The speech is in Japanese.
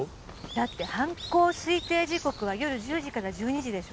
だって犯行推定時刻は夜１０時から１２時でしょ。